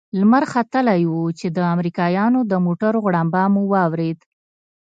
لمر ختلى و چې د امريکايانو د موټرو غړمبه مو واورېد.